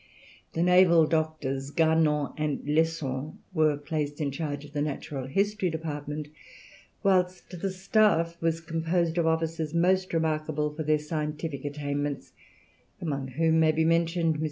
The naval doctors, Garnon and Lesson, were placed in charge of the natural history department, whilst the staff was composed of officers most remarkable for their scientific attainments, among whom may be mentioned MM.